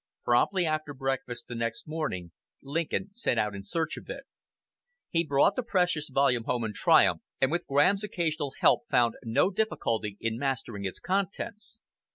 Promptly after breakfast the next morning Lincoln set out in search of it. He brought the precious volume home in triumph, and with Graham's occasional help found no difficulty in mastering its contents.